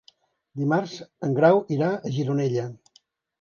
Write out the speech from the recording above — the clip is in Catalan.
Dimarts en Grau irà a Gironella.